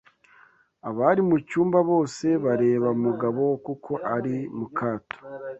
Abari mucyumba bose bareba Mugabo kuko ari mukato